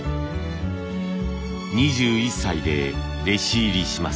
２１歳で弟子入りします。